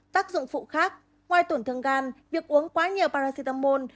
tác dụng phụ khác ngoài tổn thương gan việc uống quá nhiều paracetamol